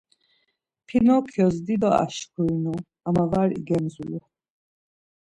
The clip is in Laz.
Pinokyos dido aşkurinu ama var igemzulu.